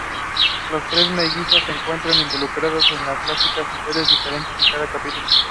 Today it is an office building for Aberdeenshire Council.